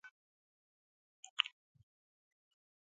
Blome worked on the project.